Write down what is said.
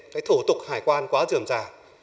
cái thủ tục hải quan quá dườm dà